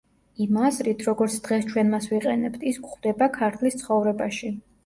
იმ აზრით, როგორც დღეს ჩვენ მას ვიყენებთ, ის გვხვდება „ქართლის ცხოვრებაში“.